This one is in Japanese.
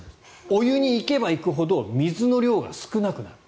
お湯に行けば行くほど水の量が少なくなる。